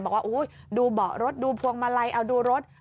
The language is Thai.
บอกว่าดูเบาะรถดูพวงมาลัยเอาดูรถ